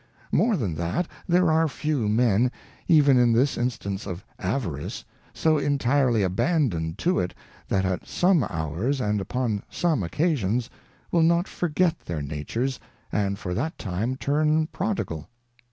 More than that, there are few Men, even in this instance of Avarice, so intirely abandoned to it, that at some hours, and upon some occasions, will not forget their natures, and for that time turn Prodigal.